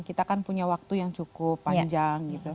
kita kan punya waktu yang cukup panjang